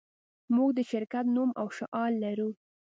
موږ د شرکت نوم او شعار لرو